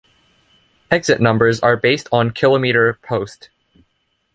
Exit numbers are based on kilometer post.